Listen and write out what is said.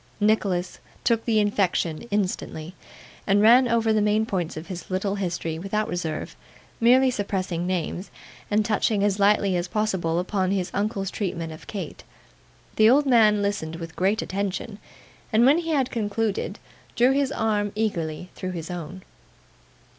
Nicholas took the infection instantly, and ran over the main points of his little history without reserve: merely suppressing names, and touching as lightly as possible upon his uncle's treatment of Kate. The old man listened with great attention, and when he had concluded, drew his arm eagerly through his own.